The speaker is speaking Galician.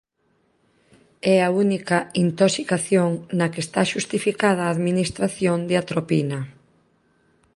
É a única intoxicación na que está xustificada a administración de atropina.